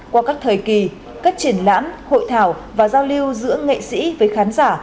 qua các thời kỳ các triển lãm hội thảo và giao lưu giữa nghệ sĩ với khán giả